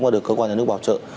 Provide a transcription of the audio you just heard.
và được cơ quan nhà nước bảo trợ